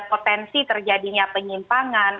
potensi terjadinya penyimpangan